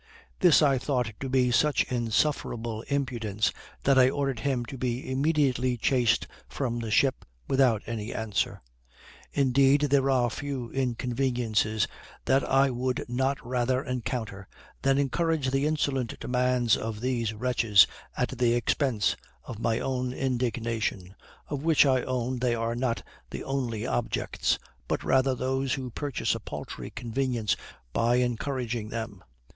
This I thought to be such insufferable impudence that I ordered him to be immediately chased from the ship, without any answer. Indeed, there are few inconveniences that I would not rather encounter than encourage the insolent demands of these wretches, at the expense of my own indignation, of which I own they are not the only objects, but rather those who purchase a paltry convenience by encouraging them.